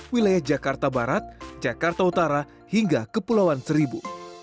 wilayah jakarta barat jakarta utara hingga kepulauan seribu